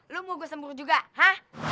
lo mau gue sembur juga ha